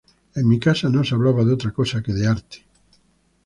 En mi casa no se hablaba de otra cosa que de arte.